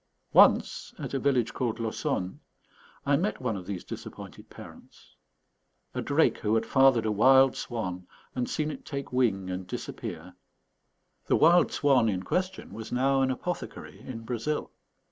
Once, at a village called Laussonne, I met one of these disappointed parents: a drake who had fathered a wild swan and seen it take wing and disappear. The wild swan in question was now an apothecary in Brazil.